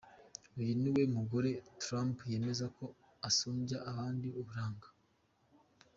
Uyu niwe mugore Trump yemeza ko asumbya abandi uburanga.